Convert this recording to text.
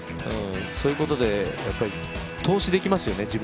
そういうことで、やっぱり投資できますよね